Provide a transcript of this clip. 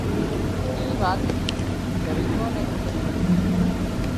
اي وات نِي ڳريٻان نين کٻير پڙي